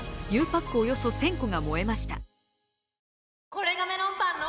これがメロンパンの！